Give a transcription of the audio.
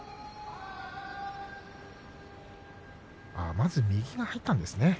まず右が入ったんですね。